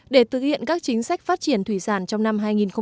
để thực hiện các chính sách phát triển thủy sản trong năm hai nghìn một mươi chín